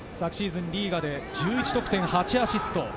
昨シーズン、リーガで８アシスト。